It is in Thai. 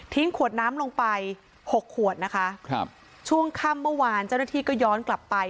ขวดน้ำลงไปหกขวดนะคะครับช่วงค่ำเมื่อวานเจ้าหน้าที่ก็ย้อนกลับไป